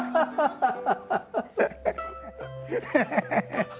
ハハハハ！